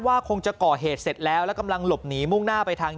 คงจะก่อเหตุเสร็จแล้วแล้วกำลังหลบหนีมุ่งหน้าไปทาง